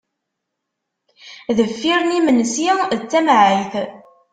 Deffir n yimensi d tamɛayt.